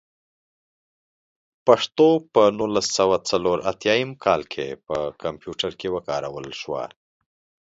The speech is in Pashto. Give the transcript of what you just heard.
پښتو په نولس سوه څلور اتيايم کال کې په کمپيوټر کې وکارول شوه.